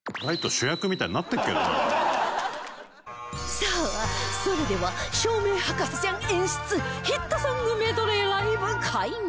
さあそれでは照明博士ちゃん演出ヒットソングメドレーライブ開幕